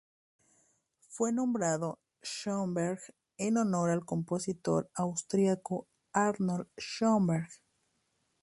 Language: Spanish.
Fue nombrado Schoenberg en honor al compositor austríaco Arnold Schoenberg.